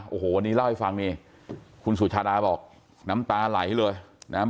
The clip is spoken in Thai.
โอ้โหวันนี้เล่าให้ฟังนี่คุณสุชาดาบอกน้ำตาไหลเลยนะครับ